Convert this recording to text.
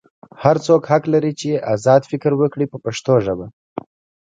هر څوک حق لري چې ازاد فکر وکړي په پښتو ژبه.